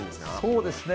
そうですね。